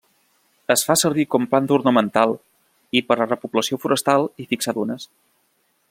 Es fa servir com planta ornamental i per a repoblació forestal i fixar dunes.